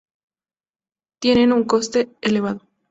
Tienen un coste elevado.